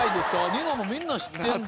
ニノもみんな知ってるんだ。